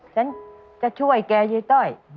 ฉันจะช่วยแกยายต้อย